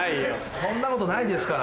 そんなことないですから。